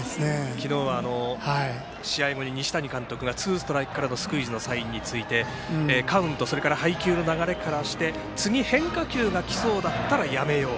昨日は、試合後に西谷監督がツーストライクからのスクイズのサインについてカウント、それから配球の流れからして次、変化球がきそうだったらやめよう。